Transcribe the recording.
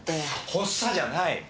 発作じゃない！